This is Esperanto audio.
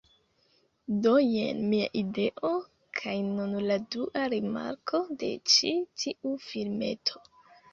Do jen mia ideo, kaj nun la dua rimarko de ĉi tiu filmeto